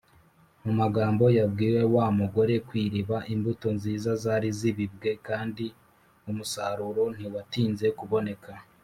Mu magambo yabwiwe wa mugore kw’iriba, imbuto nziza zari zibibwe, kandi umusaruro ntiwatinze kuboneka